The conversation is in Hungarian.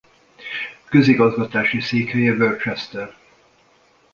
Közigazgatási székhelye Worcester.